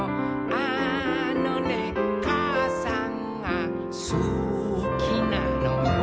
「あのねかあさんがすきなのよ」